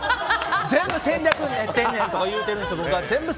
全部、戦略練ってるねんとか言ってるんですよ。